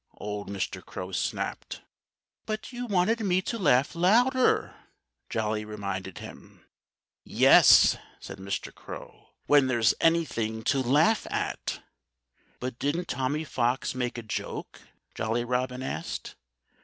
old Mr. Crow snapped. "But you wanted me to laugh louder," Jolly reminded him. "Yes," said Mr. Crow "when there's anything to laugh at." "But didn't Tommy Fox make a joke?" Jolly Robin asked.